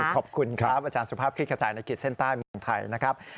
ขอบคุณครับอาจารย์สุภาพธิกษา